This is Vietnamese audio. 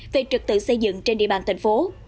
về trực tự xây dựng trên địa bàn thành phố